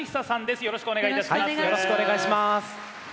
よろしくお願いします！